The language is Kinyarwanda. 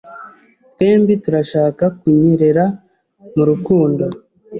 Twembi turashaka kunyerera murukundo